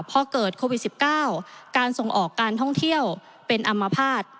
พอเกิดโควิด๑๙การส่งออกการท่องเที่ยวเป็นอัมพาต